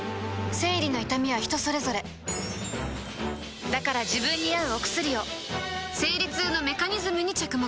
生理の痛みは人それぞれだから自分に合うお薬を生理痛のメカニズムに着目